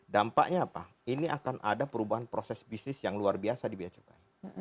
dampaknya apa ini akan ada perubahan proses bisnis yang luar biasa di biaya cukai